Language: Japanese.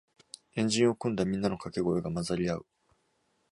円陣を組んだみんなのかけ声が混ざり合う